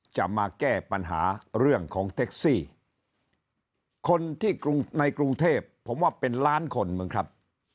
จะมาแก้ปัญหาเรื่องของแท็กซี่คนที่กรุงในกรุงเทพผมว่าเป็นล้านคนมั้งครับ